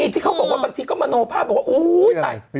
ที่เขาบอกว่าบางทีก็มโนภาพ